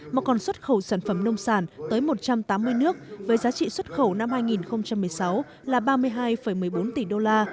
mà còn xuất khẩu sản phẩm nông sản tới một trăm tám mươi nước với giá trị xuất khẩu năm hai nghìn một mươi sáu là ba mươi hai một mươi bốn tỷ đô la